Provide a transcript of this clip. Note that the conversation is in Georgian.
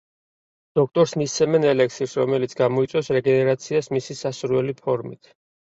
დოქტორს მისცემენ ელექსირს, რომელიც გამოიწვევს რეგენერაციას მისი სასურველი ფორმით.